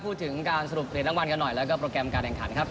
พูดถึงการสรุปเหรียญรางวัลกันหน่อยแล้วก็โปรแกรมการแข่งขันครับ